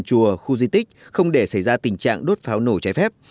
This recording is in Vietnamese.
chùa khu di tích không để xảy ra tình trạng đốt pháo nổ trái phép